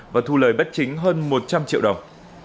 và thu lời bất chính hơn một trăm linh triệu đồng